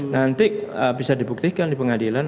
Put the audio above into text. nanti bisa dibuktikan di pengadilan